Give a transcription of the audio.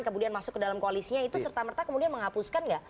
kemudian masuk ke dalam koalisnya itu serta merta kemudian menghapuskan nggak